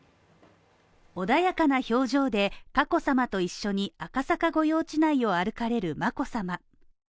穏やかな表情で佳子さまと一緒に赤坂御用地内を歩かれる眞子さま。